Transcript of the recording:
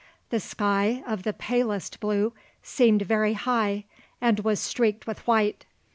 The sky, of the palest blue, seemed very high and was streaked with white.